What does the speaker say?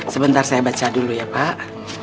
sebentar saya baca dulu ya pak